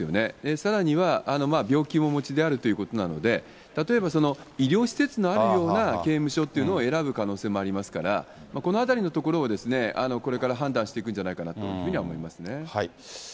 さらには病気もお持ちであるということなので、例えばその、医療施設のあるような刑務所っていうのを選ぶ可能性もありますから、このあたりのところを、これから判断していくんじゃないかなというふうには思いますね。